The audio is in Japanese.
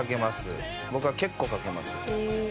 僕は結構かけます。